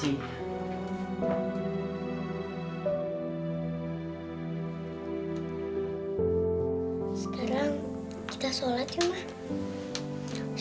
sekarang kita sholat yuk mbak